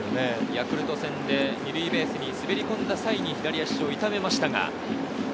ヤクルト戦で２塁ベースに滑り込んだ際に左足を痛めましたが。